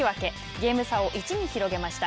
ゲーム差を１に広げました。